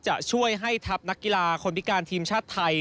จะช่วยให้ทัพนักกีฬาคนพิการทีมชาติไทย